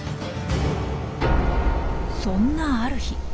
そんなある日。